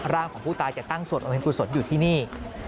ร่างของผู้ตายจะตั้งส่วนอมเทพภูมิปุรุสสดอยู่ที่นี่